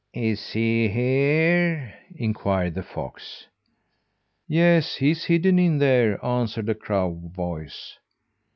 "Is he here?" inquired the fox. "Yes, he's hidden in there," answered a crow voice.